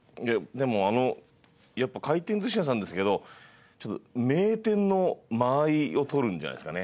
でもやっぱ回転寿司屋さんですけど名店の間合いを取るんじゃないですかね。